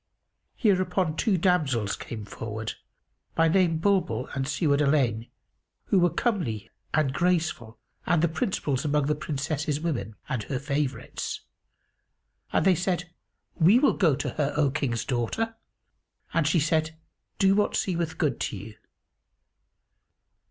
Hereupon two damsels came forward, by name Bulbul and Siwád al 'Ayn, who were comely and graceful and the principals among the Princess's women, and her favourites. And they said, "We will go to her, O King's daughter!"; and she said, "Do what seemeth good to you."